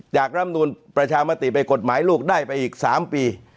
รำนูลประชามติไปกฎหมายลูกได้ไปอีก๓ปี